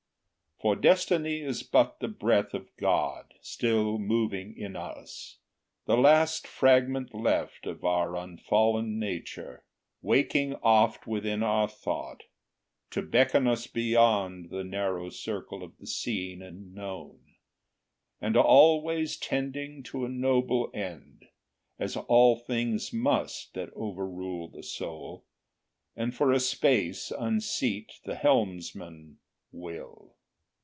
For Destiny is but the breath of God Still moving in us, the last fragment left Of our unfallen nature, waking oft Within our thought, to beckon us beyond The narrow circle of the seen and known, And always tending to a noble end, As all things must that overrule the soul, And for a space unseat the helmsman, Will.